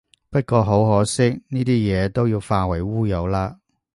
不過好可惜，呢啲嘢都要化為烏有喇